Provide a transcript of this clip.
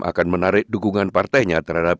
akan menarik dukungan partainya terhadap